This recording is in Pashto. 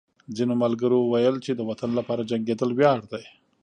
ځینو ملګرو ویل چې د وطن لپاره جنګېدل ویاړ دی